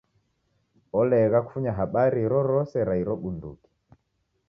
Olegha kufunya habari irorose ra iro bunduki.